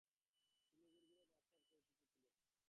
তিনি গুড়গুড়ে ভট্চাজ নামে পরিচিত ছিলেন ।